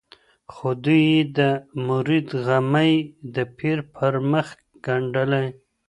خو دوى يې د مريد غمى د پير پر مخ ګنډلی